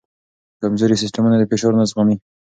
کمزوري سیستمونه فشار نه زغمي.